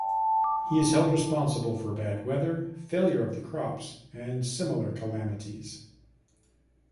He is held responsible for bad weather, failure of the crops, and similar calamities.